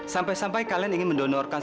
sampai sampai kalian ingin mendonorkan